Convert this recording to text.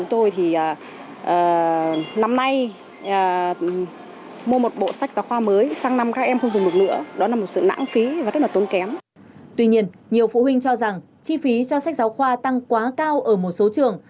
tuy nhiên nhiều phụ huynh cho rằng chi phí cho sách giáo khoa tăng quá cao ở một số trường